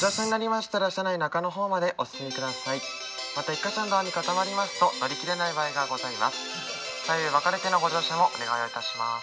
また１か所のドアに固まります乗り切れない場合がございます。